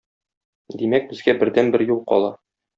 Димәк, безгә бердәнбер юл кала.